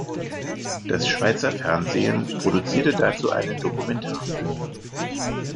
Das Schweizer Fernsehen produzierte dazu einen Dokumentarfilm.